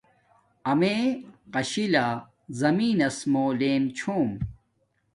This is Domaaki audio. امیے قاشلہ زمین نس مُو لم چھوم